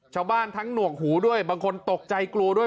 ชาวบ้านทั้งหนวกหูด้วยบางคนตกใจกลัวด้วย